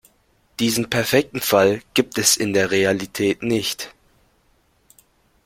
Diesen perfekten Fall gibt es in der Realität nicht.